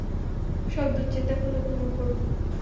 সব দূশ্চিন্তা ভুলে ঘুমিয়ে পড়ব।